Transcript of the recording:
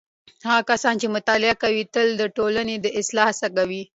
هغه کسان چې مطالعه کوي تل د ټولنې د اصلاح هڅه کوي.